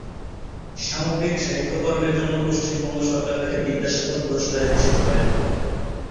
সামগ্রিক সাহিত্যকর্মের জন্য পশ্চিমবঙ্গ সরকার তাকে বিদ্যাসাগর পুরস্কারে ভূষিত করেন।